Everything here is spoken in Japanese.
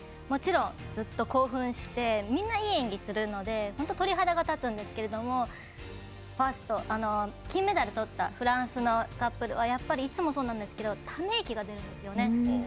もちろん、ずっと興奮してみんな、いい演技するので本当に鳥肌が立つんですけど金メダルをとったフランスのカップルは、やっぱりいつもそうなんですけどため息が出るんですよね。